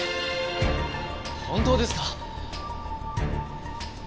本当ですか？